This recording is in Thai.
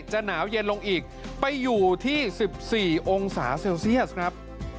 หนาวเย็นลงอีกไปอยู่ที่๑๔องศาเซลเซียสครับ